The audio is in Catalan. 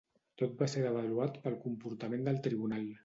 tot va ser devaluat pel comportament del tribunal